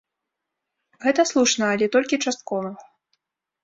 Гэта слушна, але толькі часткова.